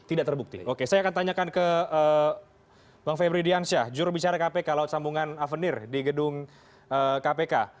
tidak terbukti oke saya akan tanyakan ke bang febri diansyah jurubicara kpk laut sambungan avenir di gedung kpk